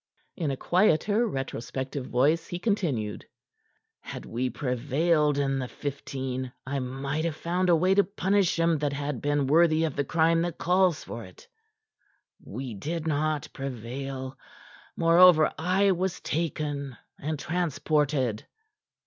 In a quieter, retrospective voice he continued: "Had we prevailed in the '15, I might have found a way to punish him that had been worthy of the crime that calls for it. We did not prevail. Moreover, I was taken, and transported.